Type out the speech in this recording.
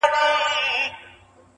o اپيجي چي سپيني نه وي توري هم غواړي.